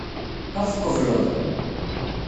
Ad ɣ-tqebleḍ?